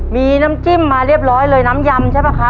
มีน้ำจิ้มมาเรียบร้อยเลยน้ำยำใช่ป่ะคะ